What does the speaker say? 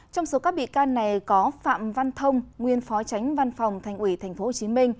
trong số các bị can này có phạm văn thông nguyên phó tránh văn phòng thành ủy tp hcm